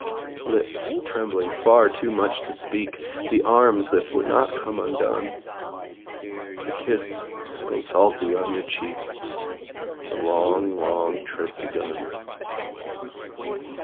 Lips trembling far too much to speak; The arms that would not come undone; The kiss so salty on your cheek; The long, long trip begun.